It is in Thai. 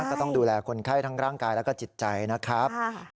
ก็ต้องดูแลคนไข้ทั้งร่างกายแล้วก็จิตใจนะครับ